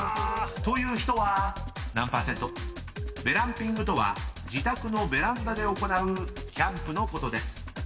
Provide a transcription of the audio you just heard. ［ベランピングとは自宅のベランダで行うキャンプのことです。